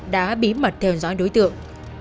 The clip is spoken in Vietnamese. đã bí mật theo dõi đối tượng